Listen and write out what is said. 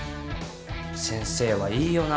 先生はいいよな。